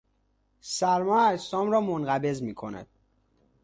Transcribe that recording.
سرما اجسام را منقبض میکند.